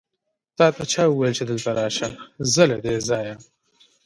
تاته چا وويل چې دلته راشه؟ ځه له دې ځايه!